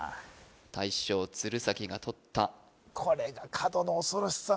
大将鶴崎が取ったこれが角の恐ろしさ